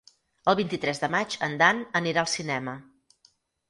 El vint-i-tres de maig en Dan anirà al cinema.